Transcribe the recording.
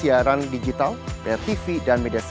mengundang siapa pak yang hadir